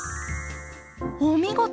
お見事。